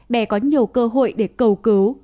bé có nhiều cơ hội để cầu cứu